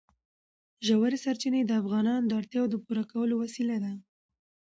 ژورې سرچینې د افغانانو د اړتیاوو د پوره کولو وسیله ده.